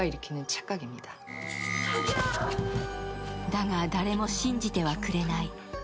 だが、誰も信じてはくれない。